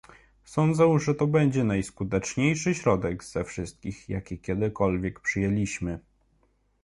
Sądzę, że to będzie najskuteczniejszy środek ze wszystkich, jakie kiedykolwiek przyjęliśmy